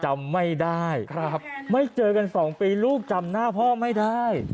จำไม่ได้ไม่เจอกัน๒ปีลูกจำหน้าพ่อไม่ได้